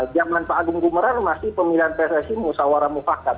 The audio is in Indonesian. zaman pak agung gubelar masih pemilihan pssi musawara mufakat